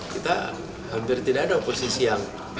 kita hampir tidak ada oposisi yang